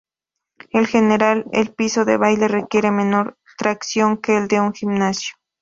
En general el piso de baile requiere menor tracción que el de un gimnasio.